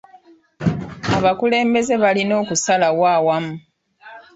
Abakulembeze balina okusalawo awamu.